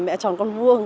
mẹ chọn con vuông